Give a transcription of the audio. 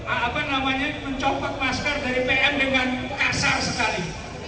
apa namanya mencopot masker dari pm dengan kasar sekali